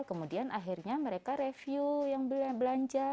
kemudian akhirnya mereka review yang belanja